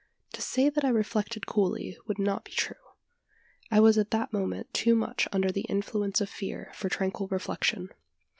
To say that I reflected coolly, would not be true: I was at that moment too much under the influence of fear for tranquil reflection.